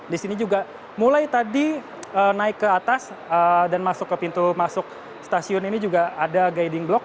di sini juga mulai tadi naik ke atas dan masuk ke pintu masuk stasiun ini juga ada guiding block